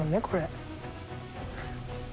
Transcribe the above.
これ。